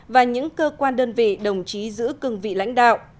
và những cơ quan đơn vị đồng chí giữ cương vị lãnh đạo